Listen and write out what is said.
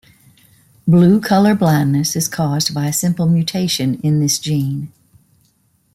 Blue color blindness is caused by a simple mutation in this gene.